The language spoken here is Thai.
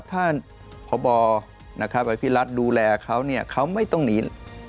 ถ้าพบอภิรัตน์ดูแลเขาเขาไม่ต้องหนี